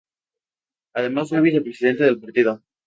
Además fue Vicepresidente del partido.